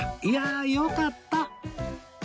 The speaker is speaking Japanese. いやよかった！